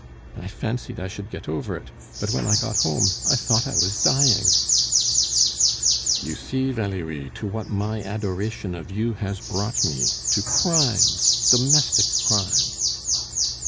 I fancied I should get over it; but when I got home, I thought I was dying " "You see, Valerie, to what my adoration of you has brought me! To crime domestic crime!"